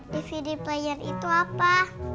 dvd player itu apa